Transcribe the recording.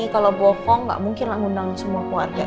kalau bohong gak mungkin lah ngundang semua keluarganya